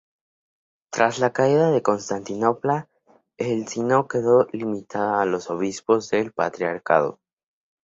Tras la caída de Constantinopla, el sínodo quedó limitado a los obispos del patriarcado.